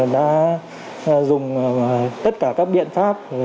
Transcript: đã dùng tất cả các biện pháp